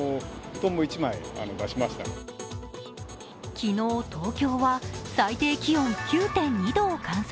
昨日、東京は最低気温９．２度を観測。